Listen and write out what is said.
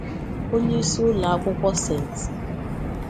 onyeisi ụlọakwụkwọ 'St